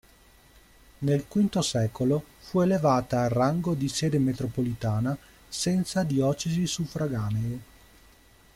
Nel V secolo fu elevata al rango di sede metropolitana senza diocesi suffraganee.